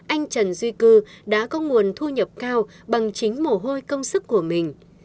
anh trần duy cư đã có nguồn thu nhập cao bằng chính mồ hôi công sức của mình